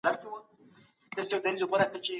خپل وطن تر نورو هیوادونو ډیر نېکمرغه دی.